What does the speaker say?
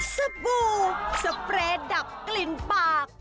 สบู่สเปรย์ดับกลิ่นปาก